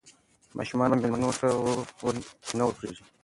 ماشومان به مېلمنو ته نه ور پرېږدي.